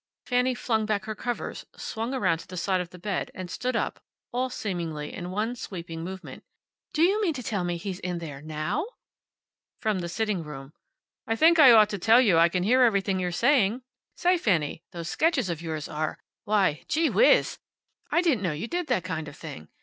Fanny flung back her covers, swung around to the side of the bed, and stood up, all, seemingly, in one sweeping movement. "Do you mean to tell me he's in there, now?" From the sitting room. "I think I ought to tell you I can hear everything you're saying. Say. Fanny, those sketches of yours are Why, Gee Whiz! I didn't know you did that kind of thing.